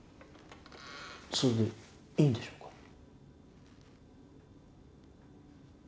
それでいいんでしょうか？